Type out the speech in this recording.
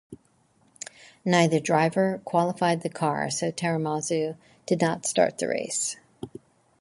Neither driver qualified the car, so Taramazzo did not start the race.